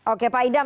oke pak idam